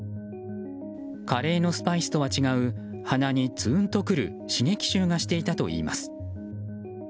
カレーのスパイスとは違う鼻にツーンとくる刺激臭がしていたといいます。